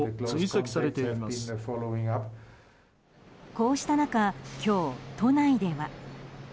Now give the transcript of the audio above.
こうした中今日、都内では。